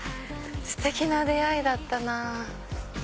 ステキな出会いだったな。